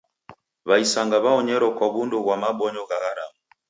W'aisanga w'aonyero kwa w'undu ghwa mabonyo gha haramu.